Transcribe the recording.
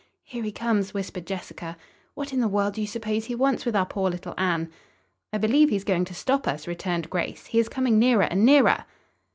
"Here he comes," whispered Jessica. "What in the world do you suppose he wants with our poor little Anne?" "I believe he's going to stop us," returned Grace. "He is coming nearer and nearer."